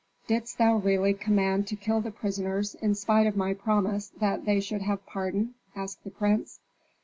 "Didst thou really command to kill the prisoners in spite of my promise that they should have pardon?" asked the prince.